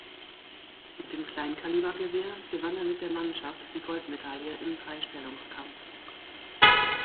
Mit dem Kleinkalibergewehr gewann er mit der Mannschaft die Goldmedaille im Dreistellungskampf.